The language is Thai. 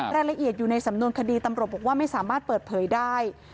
รายละเอียดอยู่ในสำนวนคดีตำรวจบอกว่าไม่สามารถเปิดเผยได้